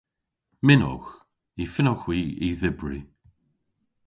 Mynnowgh. Y fynnowgh hwi y dhybri.